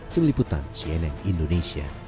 terliputan cnn indonesia